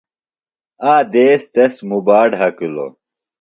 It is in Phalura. آ دیس تس تھےۡ موبا ڈھکِلو۔